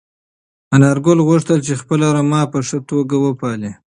انارګل غوښتل چې خپله رمه په ښه توګه وپالي.